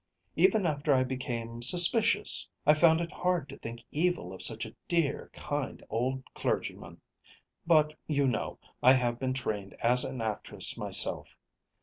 Even after I became suspicious, I found it hard to think evil of such a dear, kind old clergyman. But, you know, I have been trained as an actress myself.